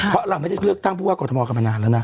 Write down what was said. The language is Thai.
เพราะเราไม่ได้เลือกตั้งผู้ว่ากรทมกันมานานแล้วนะ